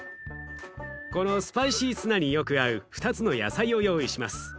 このスパイシーツナによく合う２つの野菜を用意します。